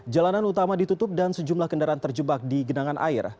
jalanan utama ditutup dan sejumlah kendaraan terjebak di genangan air